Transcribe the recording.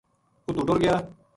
اُتو ٹُر گیا